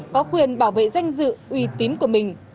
có quyền bảo vệ danh dự uy tín của mình